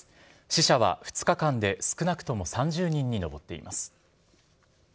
死者は２日間で少なくとも３０人に上っています。